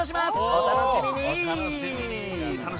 お楽しみに！